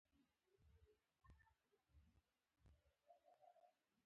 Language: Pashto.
ده وویل چې جنګ پیل کولو ته تیار دی.